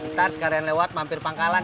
ntar sekalian lewat mampir pangkalan